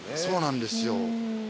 そうなんですよ。